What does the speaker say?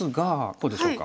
こうでしょうか？